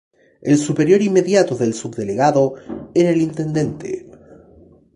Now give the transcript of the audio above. El superior inmediato del subdelegado era el intendente.